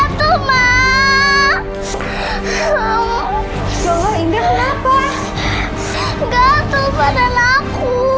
hai so indah penata anggap tentang aku